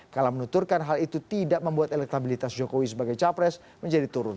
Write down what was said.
kala menuturkan hal itu tidak membuat elektabilitas jokowi sebagai capres menjadi turun